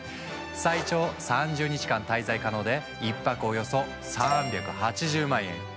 最長３０日滞在可能で１泊およそ３８０万円。